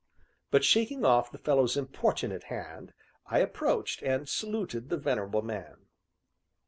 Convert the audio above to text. But shaking off the fellow's importunate hand, I approached, and saluted the venerable man.